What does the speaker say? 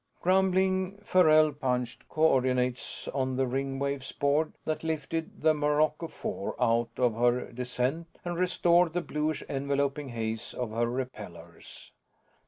Grumbling, Farrell punched coordinates on the Ringwave board that lifted the Marco Four out of her descent and restored the bluish enveloping haze of her repellors.